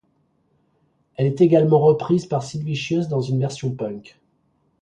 Elle est également reprise par Sid Vicious dans une version punk.